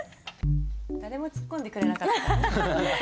誰も突っ込んでくれなかった。